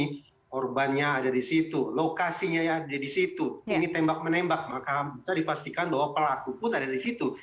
ini korbannya ada di situ lokasinya ya ada di situ ini tembak menembak maka bisa dipastikan bahwa pelaku pun ada di situ